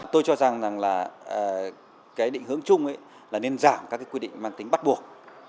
tôi cho rằng là cái định hướng chung là nên giảm các cái quy định mang tính bắt buộc